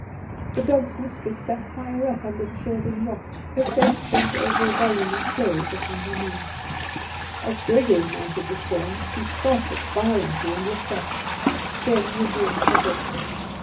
The dog's mistress sat higher up, under the shelving rock, her face bent over a volume of plays upon her knee. As Gregory mounted the stones she started violently and looked up; then resumed her book.